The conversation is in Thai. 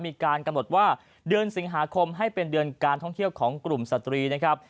มีการกำหนดว่าเดือนสิงหาคมให้เป็นเดือนการท่องเที่ยวของกลุ่มสตรีนะครับ